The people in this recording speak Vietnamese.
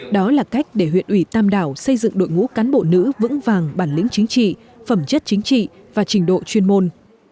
đó là cách để huyện ủy tam đảo xây dựng đội ngũ cán bộ nữ vững vàng bản lĩnh chính trị phẩm chất chính trị và trình độ chuyên môn